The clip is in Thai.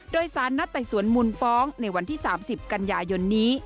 โดยสารนัดไต่สวนมูลฟ้องในวันที่๓๐กันยายนนี้